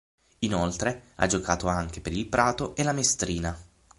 Inoltre ha giocato anche per il Prato e la Mestrina.